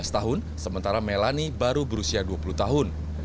tujuh belas tahun sementara melani baru berusia dua puluh tahun